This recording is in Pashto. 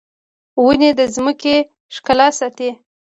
ونې د ځمکې ښکلا ساتي